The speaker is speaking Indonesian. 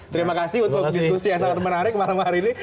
terima kasih untuk diskusi yang sangat menarik malam hari ini